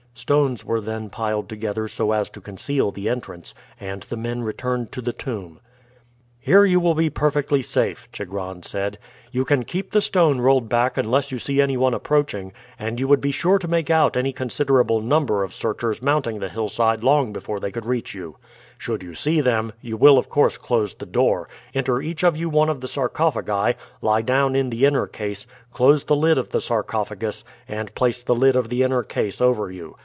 Stones were then piled together so as to conceal the entrance, and the men returned to the tomb. "Here you will be perfectly safe," Chigron said. "You can keep the stone rolled back unless you see any one approaching; and you would be sure to make out any considerable number of searchers mounting the hillside long before they reach you. Should you see them, you will of course close the door, enter each of you one of the sarcophagi, lie down in the inner case, close the lid of the sarcophagus, and place the lid of the inner case over you.